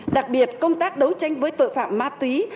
đặc biệt công tác đấu tranh với tội phạm ma túy